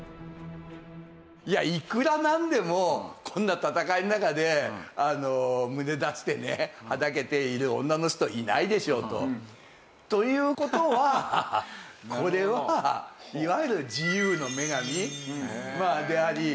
いやいくらなんでもこんな戦いの中で胸出してねはだけている女の人いないでしょと。という事はこれはいわゆる自由の女神であり。